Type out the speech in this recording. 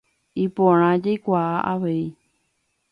Iporã jaikuaa avei.